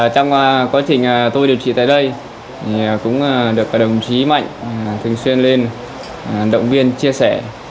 trong quá trình tôi điều trị tại đây cũng được đồng chí mạnh thường xuyên lên động viên chia sẻ